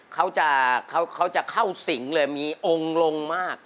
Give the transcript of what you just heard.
เขาจะเข้าสิ่งเลยมีองค์ลงมาก